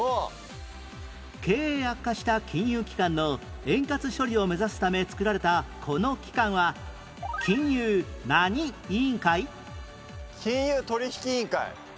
経営悪化した金融機関の円滑処理を目指すため作られたこの機関は金融何委員会？金融取引委員会。